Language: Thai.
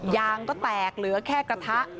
ยางก็แตกเหลือแค่กระทะ